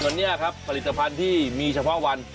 วันนี้ครับผลิตภัณฑ์ที่มีเฉพาะวัน